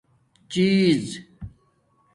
چِیز